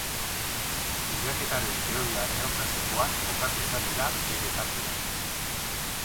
Kudeaketaren teoria neoklasikoan kokatu izan dira bere ekarpenak.